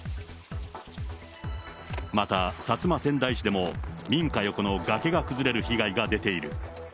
また、薩摩川内市でも、民家横の崖が崩れる被害が出ている。